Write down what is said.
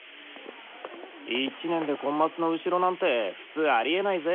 １年でコンマスの後ろなんて普通ありえないぜ。